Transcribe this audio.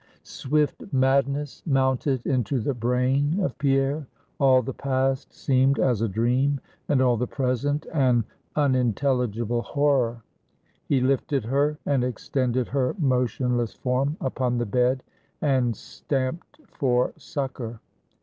Swift madness mounted into the brain of Pierre; all the past seemed as a dream, and all the present an unintelligible horror. He lifted her, and extended her motionless form upon the bed, and stamped for succor.